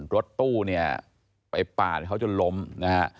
รถตู้เนี่ยไปปาดเขาจนล้มนะฮะ